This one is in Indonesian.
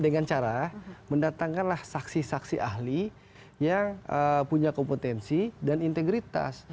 dengan cara mendatangkanlah saksi saksi ahli yang punya kompetensi dan integritas